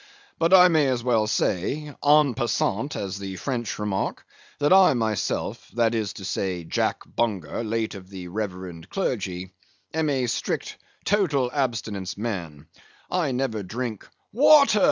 But I may as well say—en passant, as the French remark—that I myself—that is to say, Jack Bunger, late of the reverend clergy—am a strict total abstinence man; I never drink—" "Water!"